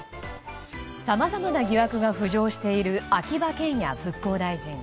さまざまな疑惑が浮上している秋葉賢也復興大臣。